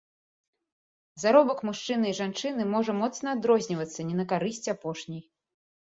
Заробак мужчыны і жанчыны можа моцна адрознівацца не на карысць апошняй.